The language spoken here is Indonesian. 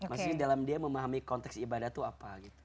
maksudnya dalam dia memahami konteks ibadah itu apa gitu